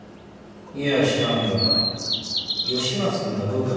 いや知らんが吉松君がどうかしたのかね？